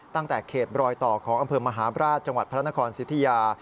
ตั้งแต่เขตรอยต่อของอำเภอมหาบราชจังหวัดพระนครสิทธิยา